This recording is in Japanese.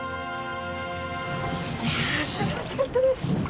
いやすばらしかったです。